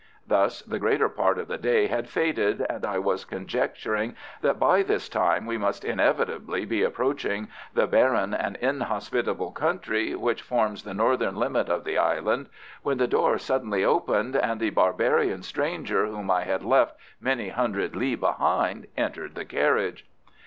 Thus the greater part of the day had faded, and I was conjecturing that by this time we must inevitably be approaching the barren and inhospitable country which forms the northern limit of the Island, when the door suddenly opened and the barbarian stranger whom I had left many hundred li behind entered the carriage.